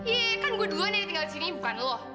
iya kan gue duluan yang tinggal di sini bukan loh